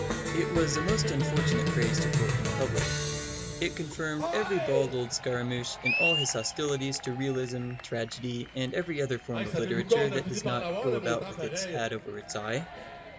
It was a most unfortunate phrase to quote in public. It confirmed every bald old scaramouch in all his hostilities to realism, tragedy, and every other form of literature that does not go about with its hat over its eye.